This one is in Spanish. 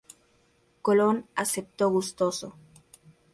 Colón aceptó gustoso.